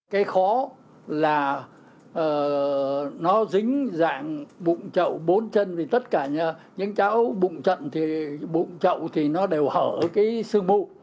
cái khó là nó dính dạng bụng chậu bốn chân vì tất cả những cháu bụng chậu thì nó đều hở cái xương mu